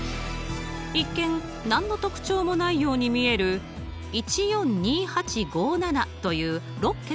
一見何の特徴もないように見える１４２８５７という６桁の数。